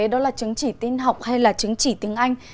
đó là chứng chỉ tin học hay là chứng chỉ tiếng anh